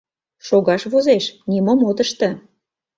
Шогаш возеш, нимом от ыште.